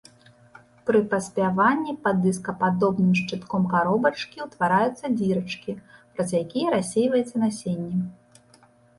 Пры паспяванні пад дыскападобным шчытком каробачкі ўтвараюцца дзірачкі, праз якія рассейваецца насенне.